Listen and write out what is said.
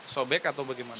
sobek atau bagaimana